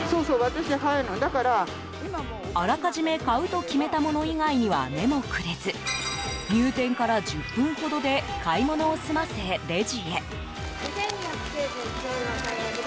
あらかじめ買うと決めたもの以外には目もくれず入店から１０分ほどで買い物を済ませ、レジへ。